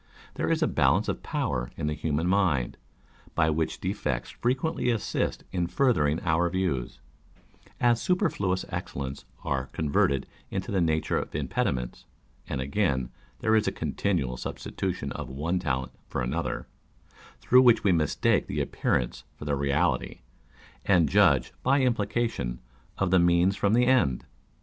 There is a balance of power in the human mind, by which defects frequently assist in urthering our views, as superfluous excellences are con verted into the nature of impediments ; and again, there is a continual substitution of one talent for another, through which we mistake the appearance for the reality, and judge (by implication) of the means from the end.